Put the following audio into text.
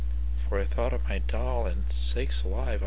For I thought of my doll and—sakes alive!